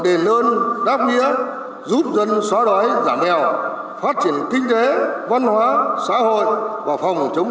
đền ơn đáp nghĩa giúp dân xóa đói giảm nghèo phát triển kinh tế văn hóa xã hội và phòng chống